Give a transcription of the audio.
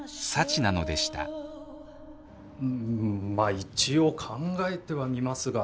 一応考えてはみますが。